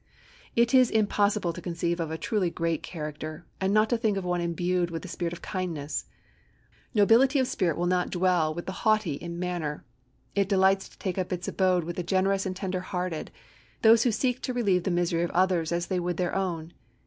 It is impossible to conceive of a truly great character, and not think of one imbued with the spirit of kindness. Nobility of spirit will not dwell with the haughty in manner. It delights to take up its abode with the generous and tender hearted, those who seek to relieve the misery of others as they would their own.